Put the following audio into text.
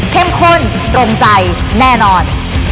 เข้มคุ้นตรงใจแน่นอน